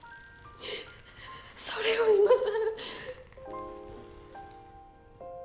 それを今更。